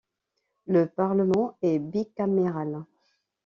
Le parlement est bicaméral.